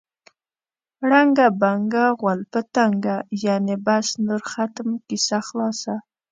ړنګه بنګه غول په تنګه. یعنې بس نور ختم، کیسه خلاصه.